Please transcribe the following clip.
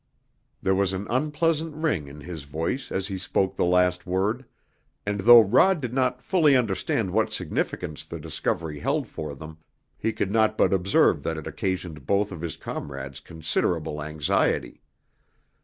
There was an unpleasant ring in his voice as he spoke the last word, and though Rod did not fully understand what significance the discovery held for them he could not but observe that it occasioned both of his comrades considerable anxiety.